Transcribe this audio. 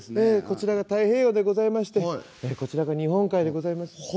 「ええこちらが太平洋でございましてこちらが日本海でございます」。